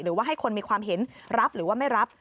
หรือว่าให้คนมีความเห็นรับหรือว่าไม่รับ